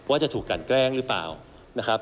ว่าจะถูกกันแกล้งหรือเปล่านะครับ